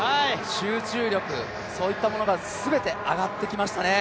集中力、そういったものが全て上がってきましたね。